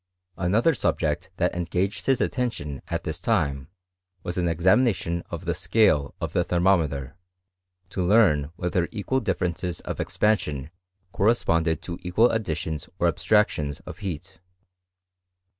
Another subject that engaged his attention at this time, was an examination of the scale of the thermo* mcter, to learn whether equal dififerences of expansion corresponded to equal additions or abstractions of heat.